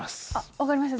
わかりました。